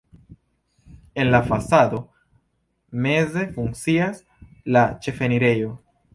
En la fasado meze funkcias la ĉefenirejo.